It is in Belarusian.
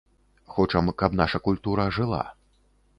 Хочам, каб наша культура жыла.